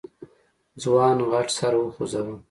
ځوان غټ سر وخوځوه.